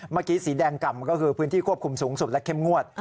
เมื่อกี้สีแดงกล่ำก็คือพื้นที่ควบคุมสูงสุดและเข้มงวด